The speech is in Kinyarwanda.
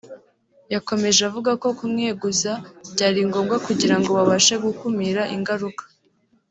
yakomeje avuga ko kumweguza byari ngombwa kugira ngo babashe gukumira ingaruka